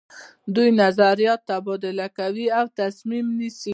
دوی نظریات تبادله کوي او تصمیم نیسي.